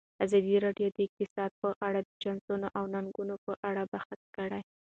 ازادي راډیو د اقتصاد په اړه د چانسونو او ننګونو په اړه بحث کړی.